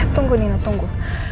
tunggu nino tunggu